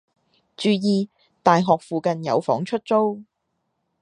注意！大學附近有房出租